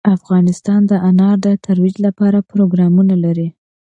افغانستان د انار د ترویج لپاره پروګرامونه لري.